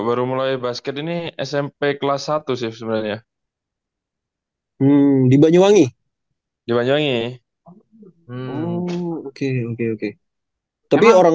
baru mulai basket ini smp kelas satu ya sebenernya dibanyuwangi di banyuwangi oke oke oke tapi orang